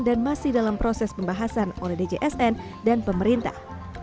dan masih dalam proses pembahasan oleh djsn dan pemerintah